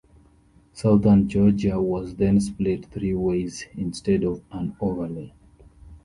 Southern Georgia was then split three ways instead of an overlay.